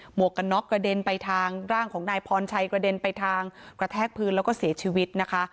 วกกันน็อกกระเด็นไปทางร่างของนายพรชัยกระเด็นไปทางกระแทกพื้นแล้วก็เสียชีวิตนะคะ